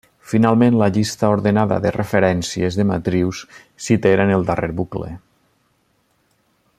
Finalment la llista ordenada de referències de matrius s'itera en el darrer bucle.